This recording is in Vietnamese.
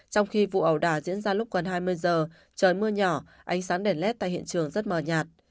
trong khi vụ ẩu đà diễn ra lúc gần hai mươi giờ trời mưa nhỏ ánh sáng đèn led tại hiện trường rất mờ nhạt